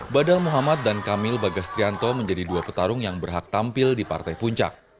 badal muhammad dan kamil bagastrianto menjadi dua petarung yang berhak tampil di partai puncak